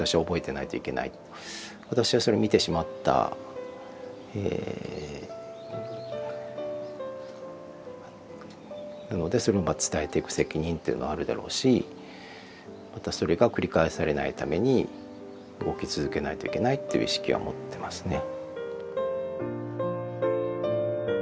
私はそれを見てしまったのでそれを伝えていく責任っていうのはあるだろうしまたそれが繰り返されないために動き続けないといけないっていう意識は持ってますね。